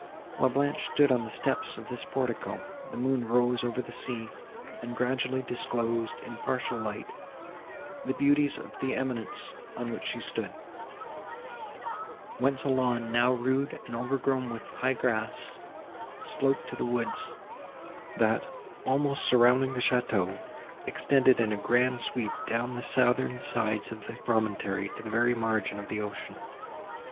While Blanche stood on the steps of this portico, the moon rose over the sea, and gradually disclosed, in partial light, the beauties of the eminence, on which she stood, whence a lawn, now rude and overgrown with high grass, sloped to the woods, that, almost surrounding the château, extended in a grand sweep down the southern sides of the promontory to the very margin of the ocean.